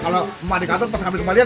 kalau emak dikandung pas ngambil kembalian